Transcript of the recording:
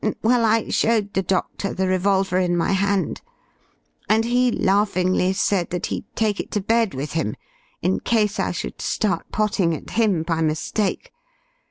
Well, I showed the doctor the revolver in my hand, and he laughingly said that he'd take it to bed with him, in case I should start potting at him by mistake.